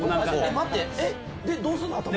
待ってえ？でどうすんの？